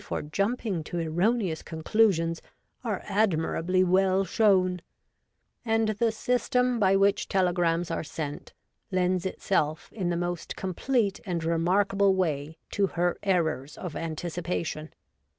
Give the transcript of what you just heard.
for jumping to erroneous conclusions are admirably well shown ; and the system by which telegrams are sent lends itself in the most complete and re markable way to her errors of anticipation.